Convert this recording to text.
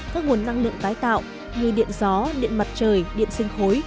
các nguồn năng lượng tái tạo như điện gió điện mặt trời điện sinh khối